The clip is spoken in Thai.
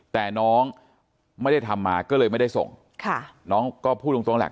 แต่น้องไม่ได้ทำมาก็เลยไม่ได้ส่งค่ะน้องก็พูดตรงตรงแหละ